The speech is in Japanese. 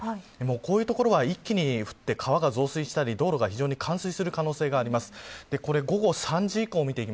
こういう所は一気に降って川が増水したり冠水する可能性があります。